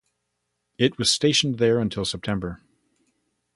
It was stationed there until September.